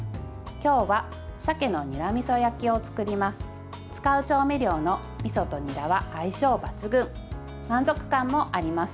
今日はさけのにらみそ焼きを作ります。